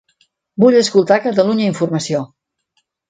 Vull escoltar Catalunya Informació.